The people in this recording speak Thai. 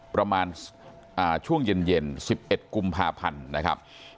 ประมาณช่วงเย็นเย็นสิบเอ็ดกุมภาพันธุ์นะครับ